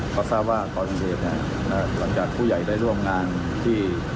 เขาทราบว่ากรณเดชน์เนี่ยหลังจากผู้ใหญ่ได้ร่วมงานที่